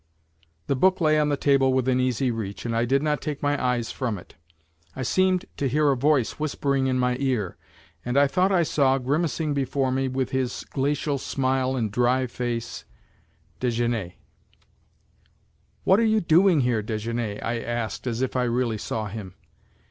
The book lay on the table within easy reach, and I did not take my eyes from it. I seemed to hear a voice whispering in my ear, and I thought I saw, grimacing before me, with his glacial smile, and dry face, Desgenais. "What are you doing here, Desgenais?" I asked, as if I really saw him.